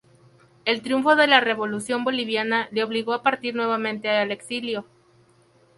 El triunfo de la Revolución boliviana le obligó a partir nuevamente al exilio.